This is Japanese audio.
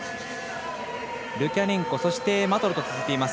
ルキャネンコ、マトロと続いています。